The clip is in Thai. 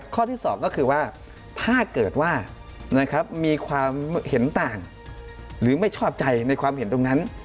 ข้อที่๒ก็คือว่าถ้าเกิดว่ามีความเห็นต่างหรือไม่ชอบใจในความเห็นตรงนั้น